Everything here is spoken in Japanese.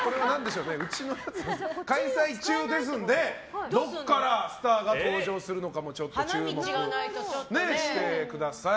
開催中ですんでどこからスターが登場するかちょっと注目してください。